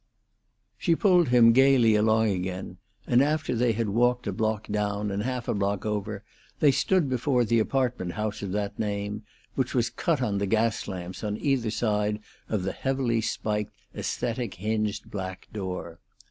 She pulled him gayly along again, and after they had walked a block down and half a block over they stood before the apartment house of that name, which was cut on the gas lamps on either side of the heavily spiked, aesthetic hinged black door.